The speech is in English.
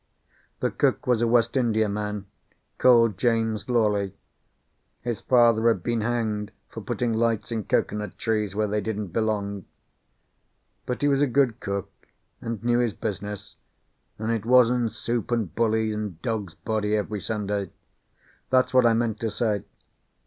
The cook was a West Indiaman, called James Lawley; his father had been hanged for putting lights in cocoanut trees where they didn't belong. But he was a good cook, and knew his business; and it wasn't soup and bully and dog's body every Sunday. That's what I meant to say.